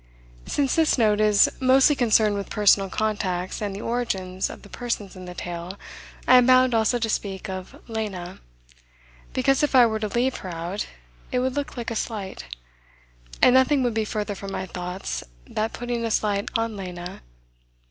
Since this Note is mostly concerned with personal contacts and the origins of the persons in the tale, I am bound also to speak of Lena, because if I were to leave her out it would look like a slight; and nothing would be further from my thoughts than putting a slight on Lena.